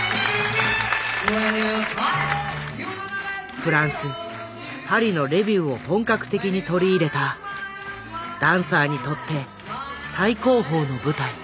フランス・パリのレビューを本格的に取り入れたダンサーにとって最高峰の舞台。